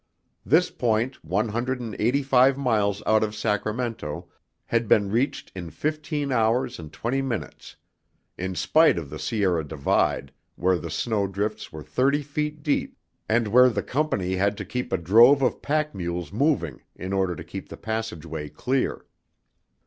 This point, one hundred and eighty five miles out of Sacramento had been reached in fifteen hours and twenty minutes, in spite of the Sierra Divide where the snow drifts were thirty feet deep and where the Company had to keep a drove of pack mules moving in order to keep the passageway clear.